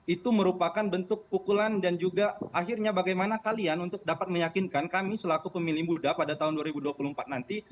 itu merupakan bentuk pukulan dan juga akhirnya bagaimana kalian untuk dapat meyakinkan kami selaku pemilih muda pada tahun dua ribu dua puluh empat nanti